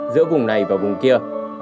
giữa vùng này và vùng kia